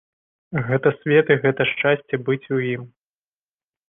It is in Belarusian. Гэта свет і гэта шчасце быць у ім.